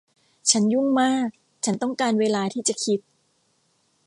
ฉันยุ่งมากฉันต้องการเวลาที่จะคิด